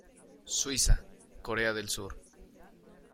Suiza, Corea del Sur.